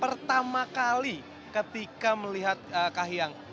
pertama kali ketika melihat kak hiang